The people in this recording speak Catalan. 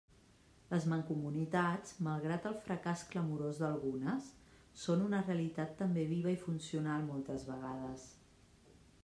Les mancomunitats, malgrat el fracàs clamorós d'algunes, són una realitat també viva i funcional moltes vegades.